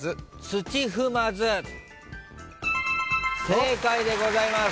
正解でございます。